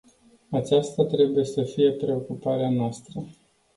Aceasta trebuie să fie preocuparea noastră.